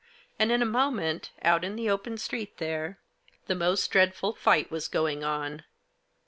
And, in a moment, out in the open street there, the most dreadful fight was going on.